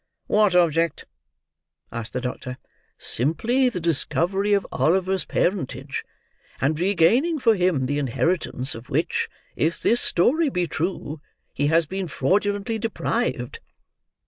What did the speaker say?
"What object?" asked the doctor. "Simply, the discovery of Oliver's parentage, and regaining for him the inheritance of which, if this story be true, he has been fraudulently deprived."